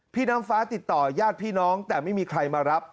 พี่น้ำฟ้าติดต่อยาดพี่น้องแต่ไม่มีใครมารับ